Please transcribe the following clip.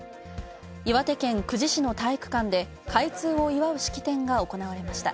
岩手県久慈市の体育館で開通を祝う式典が行われました。